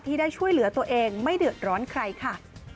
ได้ช่วยเหลือตัวเองไม่เดือดร้อนใครค่ะ